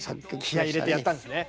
気合い入れてやったんですね。